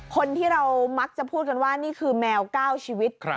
คนที่เรามักจะพูดกันว่านี่คือแมว๙ชีวิต